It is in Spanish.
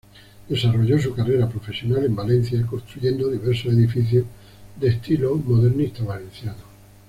Desarrolló su carrera profesional en Valencia, construyendo diversos edificios de estilo modernista valenciano.